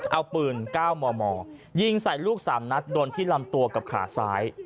เอาปืน๙มมยิงใส่ลูก๓นัดโดนที่ลำตัวกับขาซ้าย